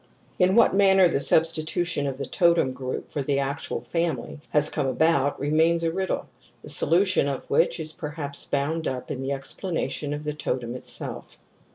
In what manner the substitution of the totem group for the actual family has come about re mains a riddle, the solution of which is perhaps bound up with the explanation of the totem it self.